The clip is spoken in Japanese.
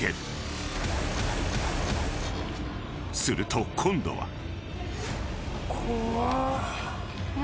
［すると今度は］